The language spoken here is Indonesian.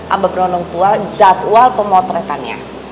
abang brondong tua jadwal pemotretannya